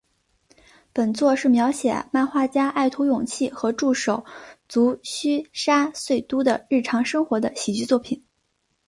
本作是描写漫画家爱徒勇气和助手足须沙穗都的日常生活的喜剧作品。